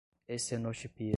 estenotipia